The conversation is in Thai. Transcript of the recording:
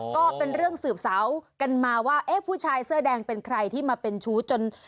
ก็เป็นเรื่องสืบเสากันมาว่าเอ๊ะผู้ชายเสื้อแดงเป็นใครที่มาเป็นชู้จน